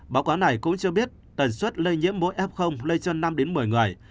báo cáo này cũng cho biết tần suất lây nhiễm mỗi f lây cho năm một mươi người